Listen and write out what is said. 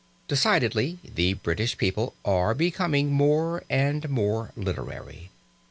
Decidedly the British people are becoming more and more literary.